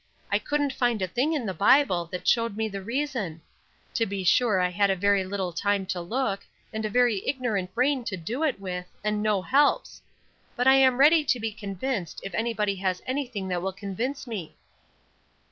I couldn't find a thing in the Bible that showed me the reason. To be sure I had very little time to look, and a very ignorant brain to do it with, and no helps. But I am ready to be convinced, if anybody has anything that will convince me."